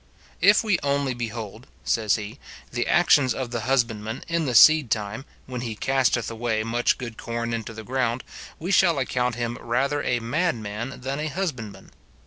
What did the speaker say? "If we only behold," says he, "the actions of the husbandman in the seed time, when he casteth away much good corn into the ground, we shall account him rather a madman than a husbandman.